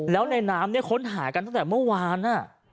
แล้วในน้ำเนี่ยค้นหากันตั้งแต่เมื่อวาน